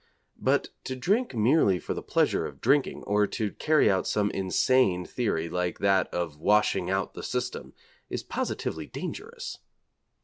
But to drink merely for the pleasure of drinking, or to carry out some insane theory like that of 'washing out' the system is positively dangerous.